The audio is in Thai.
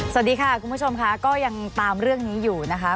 สวัสดีค่ะคุณผู้ชมค่ะก็ยังตามเรื่องนี้อยู่นะคะ